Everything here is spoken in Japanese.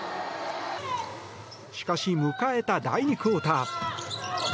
しかし、迎えた第２クオーター。